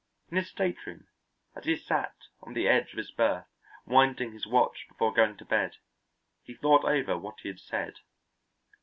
In his stateroom, as he sat on the edge of his berth winding his watch before going to bed, he thought over what he had said.